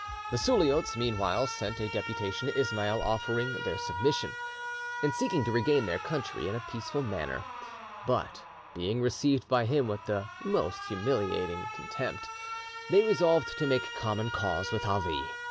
The Suliots meanwhile sent a deputation to Ismail offering their submission, and seeking to regain their country in a peaceful manner; but, being received by him with the most humiliating contempt, they resolved to make common cause with Ali.